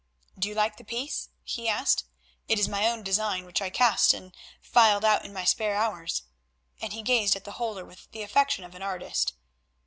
"Do you like the piece?" he asked; "it is my own design, which I cast and filed out in my spare hours," and he gazed at the holder with the affection of an artist.